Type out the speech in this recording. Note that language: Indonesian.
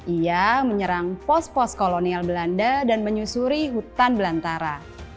ia menyerang pos pos kolonial belanda dan menyusuri hutan belantara